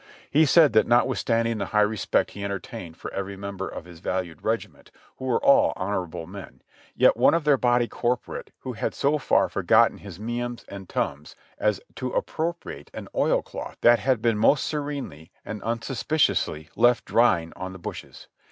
He said that notwithstanding the high respect he entertained for every member of his valued regiment, who were all honorable men, yet one of their body cor porate had so far forgotten his meums and tuums as to appro priate an oilcloth that had been most serenely and unsuspiciously left drying on the bushes.